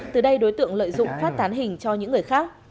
từ đây đối tượng lợi dụng phát tán hình cho những người khác